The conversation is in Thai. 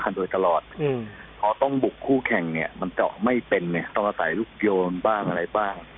ป์ซึ้งแล้วอีกตะวัดพอต้องบุกคู่แข่งเนี้ยมันเจาะไม่เป็นแบบเนี้ยต้องมาส่ายลูกหญิงบ้างอะไรบ้าง